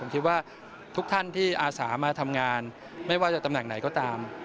ผมคิดว่าทุกท่านที่อาสามาทำงานไม่ว่าจะตำแหน่งไหนก็ตาม